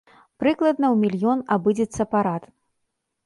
Прыкладна ў мільён абыдзецца парад.